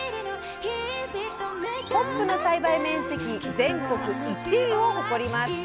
ホップの栽培面積全国１位を誇ります。